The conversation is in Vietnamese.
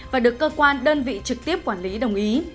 và được cơ quan đơn vị trực tiếp quản lý đồng ý